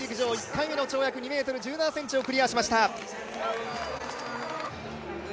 １回目の跳躍で２ｍ１７ｃｍをクリアしました。